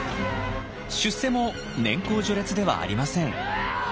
出世も年功序列ではありません。